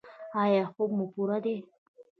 ایا خوب مو پوره دی؟